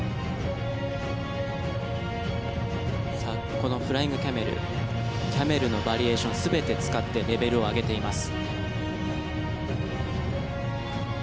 このフライングキャメルキャメルのバリエーションを全て使ってレベルを上げています。